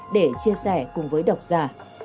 để chia sẻ cùng với đọc giả